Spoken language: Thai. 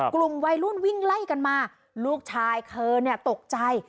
กลุ่มวัยรุ่นวิ่งไล่กันมาลูกชายเธอเนี่ยตกใจ